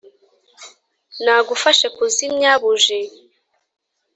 nagufashe kuzimya buji